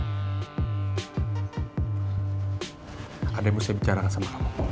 akan dia bisa bicara sama kamu